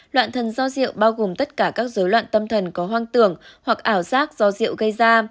loạn thần do rượu bao gồm tất cả các dối loạn tâm thần có hoang tưởng hoặc ảo giác do rượu gây ra